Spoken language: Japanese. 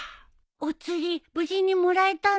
お釣り無事にもらえたの？